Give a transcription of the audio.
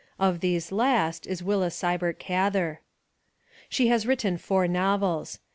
Of these last is Willa Sibert Gather. She has written four novels.